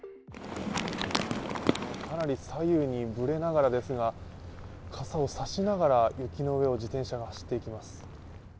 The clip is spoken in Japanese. かなり左右にぶれながらですが、傘を差しながら雪の上を自転車が走って行きます。